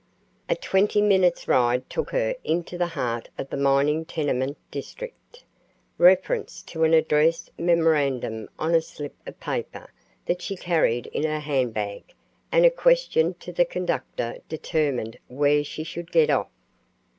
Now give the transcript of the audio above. A twenty minutes' ride took her into the heart of the mining tenement district. Reference to an address memorandum on a slip of paper that she carried in her handbag and a question to the conductor determined where she should get off.